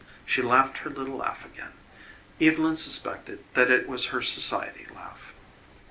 She laughed her little laugh again; Evylyn suspected that it was her society laugh.